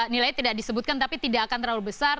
nilai tidak disebutkan tapi tidak akan terlalu besar